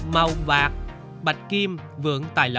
màu bạc bạch kim vượng tài lọc